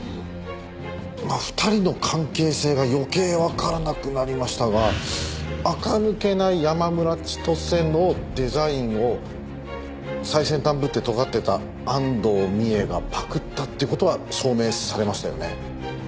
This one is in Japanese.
２人の関係性が余計わからなくなりましたがあか抜けない山村千歳のデザインを最先端ぶってとがってた安藤美絵がパクったっていう事は証明されましたよね。